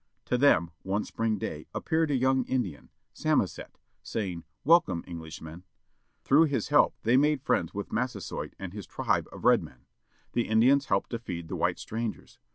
To them, one spring day, appeared a yoimg Indian, Samoset, saying "Welcome Englishmen." Through his help they made friends with Massasoit and his tribe of red men. The Indians helped to feed the white strangers.